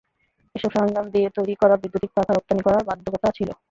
এসব সরঞ্জাম দিয়ে তৈরি করা বৈদ্যুতিক পাখা রপ্তানি করার বাধ্যকতা ছিল।